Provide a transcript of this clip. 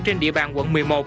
trên địa bàn quận một mươi một